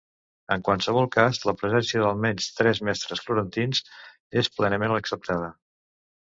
En qualsevol cas, la presència d'almenys tres mestres florentins és plenament acceptada.